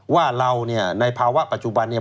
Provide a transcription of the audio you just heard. ว่าเราเนี่ยในภาวะปัจจุบันเนี่ย